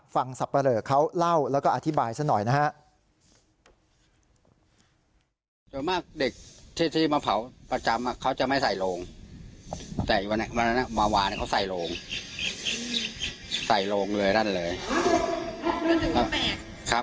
ฟังสัปดาห์เขาเล่าแล้วก็อธิบายซักหน่อยนะครับ